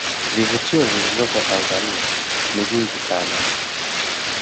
Vivutio vilivyopo tanzania ni vingi sana